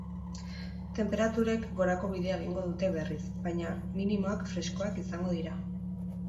Tenperaturek gorako bidea egingo dute berriz, baina minimoak freskoak izango dira.